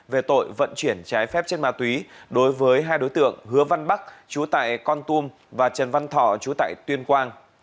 về tội vận chuyển trái phép chất ma túy đối với hai đối tượng hứa văn bắc chú tại con tum và trần văn thọ chú tại tuyên quang